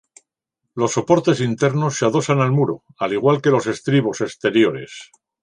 Los soportes internos se adosan al muro, al igual que los estribos exteriores.